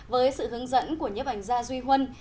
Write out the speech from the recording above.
với sự hướng dẫn của nhiếp ảnh gia duy huân